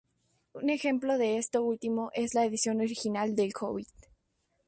Un ejemplo de esto último es la edición original de "El hobbit".